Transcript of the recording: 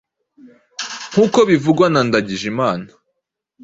nkuko bivugwa na Ndagijimana.